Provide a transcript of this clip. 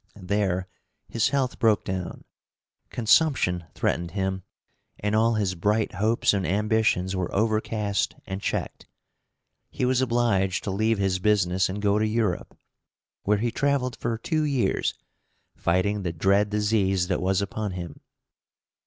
There his health broke down. Consumption threatened him, and all his bright hopes and ambitions were overcast and checked. He was obliged to leave his business and go to Europe, where he traveled for two years, fighting the dread disease that was upon him.